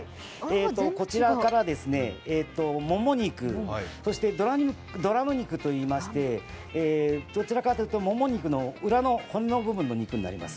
こちらから、もも肉、そしてドラム肉といいまして、どちらかというともも肉の裏の肉になります。